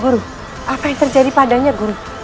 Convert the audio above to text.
guru apa yang terjadi padanya guru